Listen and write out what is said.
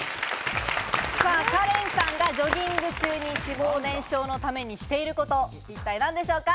カレンさんがジョギング中に脂肪燃焼のためにしていること、一体何でしょうか？